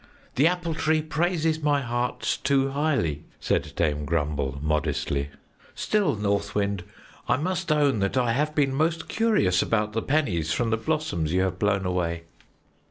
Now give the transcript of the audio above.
"The Apple Tree praises my heart too highly," said Dame Grumble modestly. "Still, North Wind, I must own that I have been most curious about the pennies from the blossoms you have blown away."